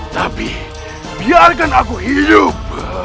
tapi biarkan aku hidup